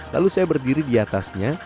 lalu saya berdiri diatasnya